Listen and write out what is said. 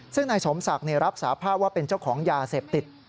ซึ่งนายสมศักดิ์รับสาภาพว่าเป็นเจ้าของยาเสพติด